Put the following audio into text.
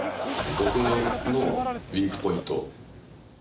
僕のウィークポイント。